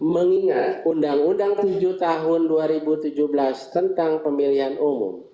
mengingat undang undang tujuh tahun dua ribu tujuh belas tentang pemilihan umum